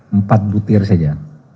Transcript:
ini empat butir saja